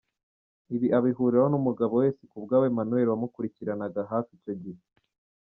Ibi abihuriraho n’umugabo we Sikubwabo Emmanuel wamukurikiraniraga hafi icyo gihe.